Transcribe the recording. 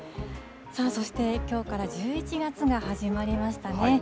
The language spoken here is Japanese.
さあそして、きょうから１１月が始まりましたね。